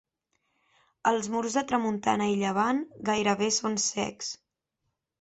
Els murs de tramuntana i llevant gairebé són cecs.